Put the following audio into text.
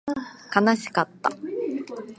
悲しかった